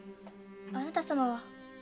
あなた様は。